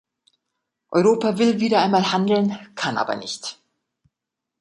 Europa will wieder einmal handeln, kann aber nicht.